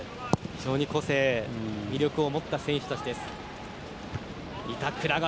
非常に個性、魅力を持った選手たちです。